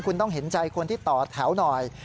คุณต้องเห็นใจคนที่ต่อแถวหน่อย